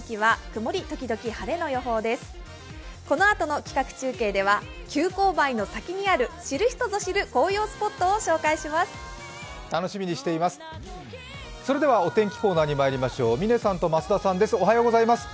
このあとの企画中継では「急勾配の先にある知る人ぞ知る紅葉スポット」を紹介します。